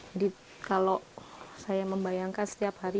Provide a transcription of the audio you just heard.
jadi kalau saya membayangkan setiap hari